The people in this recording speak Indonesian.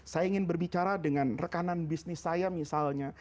saya ingin berbicara dengan rekanan bisnis saya misalnya